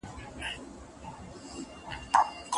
منم چې ټولو سردونو کې به ځان ووينم